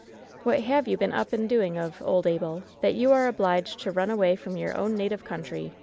"What have you been up and doing of, old Abel, that you are obliged to run away from your own native coun try